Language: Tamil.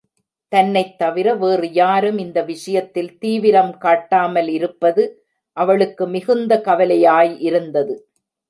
தன்னைத் தவிர வேறு யாரும் இந்த விஷயத்தில் தீவிரம் காட்டாமல் இருப்பது அவளுக்கு மிகுந்த கவலையாய் இருந்தது.